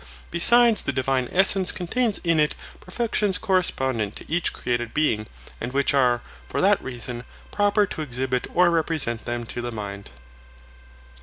Besides the Divine essence contains in it perfections correspondent to each created being; and which are, for that reason, proper to exhibit or represent them to the mind.